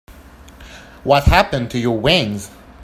What happened to your wings?